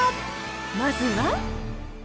まずは。